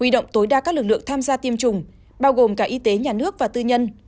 động tối đa các lực lượng tham gia tiêm chủng bao gồm cả y tế nhà nước và tư nhân